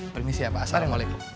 permisi ya pak assalamualaikum